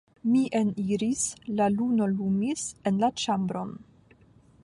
Mi eniris, la luno lumis en la ĉambron.